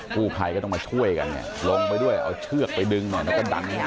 ผู้ภัยก็ต้องมาช่วยกันลงไปด้วยเอาเชือกไปดึงหน่อยแล้วก็ดันให้